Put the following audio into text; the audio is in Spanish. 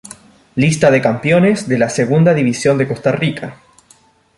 Lista de campeones de la Segunda División de Costa Rica.